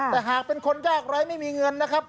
แต่หากเป็นคนยากไร้ไม่มีเงินนะครับ